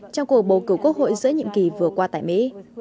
trong cuộc bầu cử quốc hội giữa nhiệm kỳ vừa qua tại mỹ